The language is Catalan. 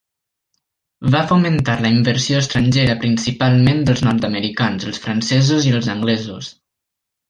Va fomentar la inversió estrangera principalment dels nord-americans, els francesos i els anglesos.